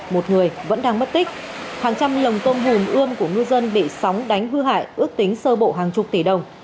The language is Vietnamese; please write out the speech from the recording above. một người vẫn đang mất tích hàng trăm lồng tôm hùm ươm của ngư dân bị sóng đánh hư hại ước tính sơ bộ hàng chục tỷ đồng